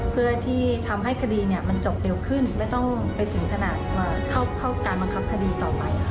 เพื่อที่ทำให้คดีมันจบเร็วขึ้นไม่ต้องไปถึงขนาดเข้าการบังคับคดีต่อไปค่ะ